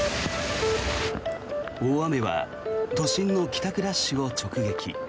大雨は都心の帰宅ラッシュを直撃。